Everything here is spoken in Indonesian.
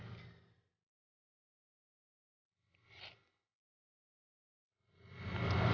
assalamualaikum warahmatullahi wabarakatuh